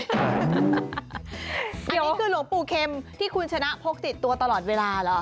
อันนี้คือหลวงปู่เข็มที่คุณชนะพกติดตัวตลอดเวลาเหรอ